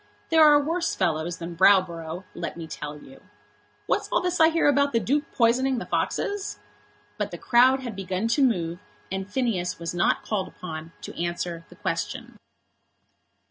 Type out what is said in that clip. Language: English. There are worse fellows than Browborough, let me tell you. What's all this I hear about the Duke poisoning the foxes?" But the crowd had begun to move, and Phineas was not called upon to answer the question.